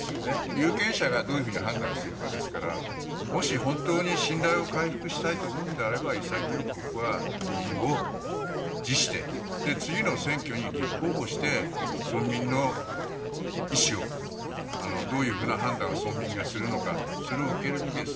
有権者がどういうふうに判断するかですからもし本当に信頼を回復したいと思うんであれば潔く、ここは議員を辞して次の選挙に立候補して村民の意思をどういうふうな判断を村民がするのかそれを受け入れるべきです。